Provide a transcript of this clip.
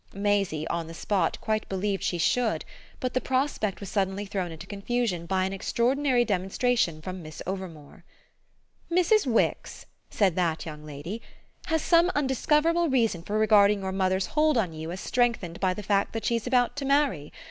Maisie, on the spot, quite believed she should; but the prospect was suddenly thrown into confusion by an extraordinary demonstration from Miss Overmore. "Mrs. Wix," said that young lady, "has some undiscoverable reason for regarding your mother's hold on you as strengthened by the fact that she's about to marry.